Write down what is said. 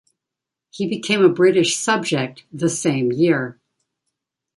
He became a British subject the same year.